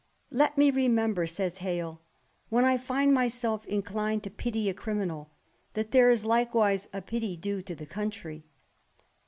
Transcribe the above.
''Let me remember," says Hale^ '' when I find myself inclined to pity a criminal, that there " is likewise a pity due to the country."